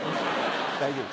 大丈夫？